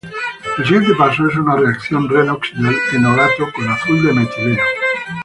El siguiente paso es una reacción redox del enolato con azul de metileno.